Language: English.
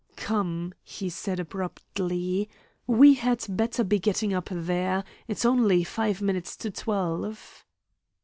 "Come," he said, abruptly, "we had better be getting up there. It's only five minutes of twelve."